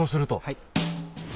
はい。